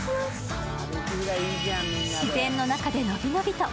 自然の中で伸び伸びと。